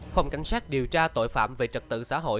phòng cảnh sát điều tra tội phạm về trật tự xã hội